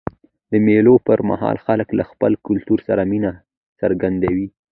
د مېلو پر مهال خلک له خپل کلتور سره مینه څرګندوي.